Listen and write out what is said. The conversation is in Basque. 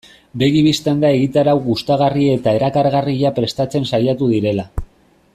Begi bistan da egitarau gustagarri eta erakargarria prestatzen saiatu direla.